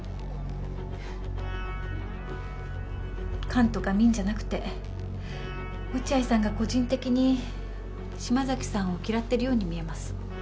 官とか民じゃなくて落合さんが個人的に島崎さんを嫌ってるように見えます。